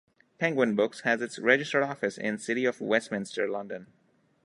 Penguin Books has its registered office in City of Westminster, London.